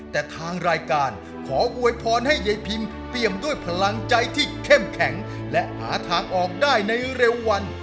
แต่ทางรายการขออวยพรให้ยายพิมเตรียมด้วยพลังใจที่เข้มแข็งและหาทางออกได้ในเร็ววัน